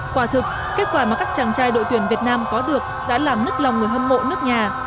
quả thực kết quả mà các chàng trai đội tuyển việt nam có được đã làm nứt lòng người hâm mộ nước nhà